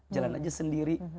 jalan aja sendiri